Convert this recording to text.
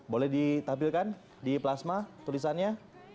boleh ditampilkan di plasma tulisannya